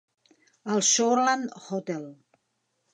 Al Shoreland Hotel.